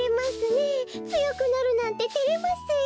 つよくなるなんててれますよ。